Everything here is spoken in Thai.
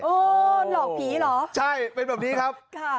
หลอกผีเหรอใช่เป็นแบบนี้ครับค่ะ